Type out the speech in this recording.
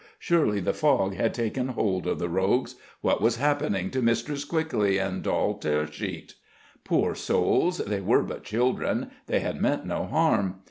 Surely the fog had taken hold of the rogues! What was happening to Mistress Quickly and Doll Tearsheet? Poor souls, they were but children: they had meant no harm.